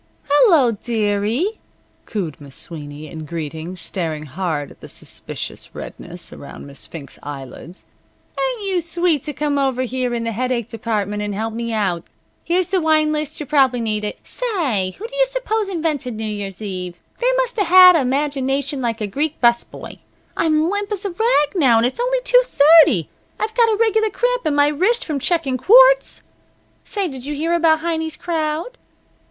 "Hello, dearie!" cooed Miss Sweeney, in greeting, staring hard at the suspicious redness around Miss Fink's eyelids. "Ain't you sweet to come over here in the headache department and help me out! Here's the wine list. You'll prob'ly need it. Say, who do you suppose invented New Year's Eve? They must of had a imagination like a Greek 'bus boy. I'm limp as a rag now, and it's only two thirty. I've got a regular cramp in my wrist from checkin' quarts. Say, did you hear about Heiny's crowd?"